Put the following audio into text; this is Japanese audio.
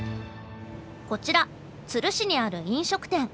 こちら都留市にある飲食店。